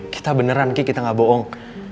kita beneran ki kita gak bohong